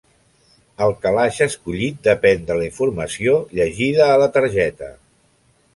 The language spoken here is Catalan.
El calaix escollit depèn de la informació llegida a la targeta.